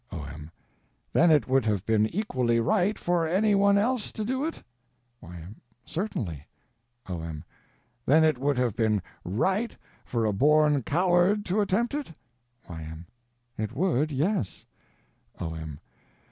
O.M. Then it would have been equally _right _for any one else to do it? Y.M. Certainly. O.M. Then it would have been _right _for a born coward to attempt it? Y.M. It would—yes. O.M.